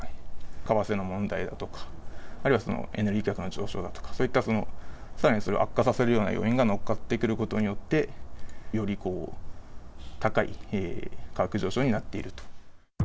為替の問題だとか、あるいはエネルギー価格の上昇だとか、そういった、さらにそれを悪化させるような要因が乗っかってくることによって、より高い価格上昇になっていると。